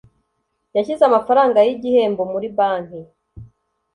yashyize amafaranga yigihembo muri banki